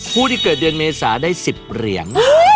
ผู้ที่เกิดเดือนเมษาได้๑๐เหรียญ